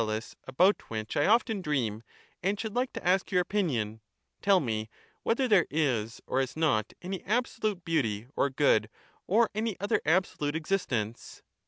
There is a matter, master Cratylus, about which I often dream, and should like to ask your opinion : Tell me, whether there is or is not any absolute beauty or good, or any other absolute existence?